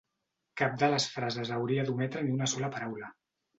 Cap de les frases hauria d'ometre ni una sola paraula.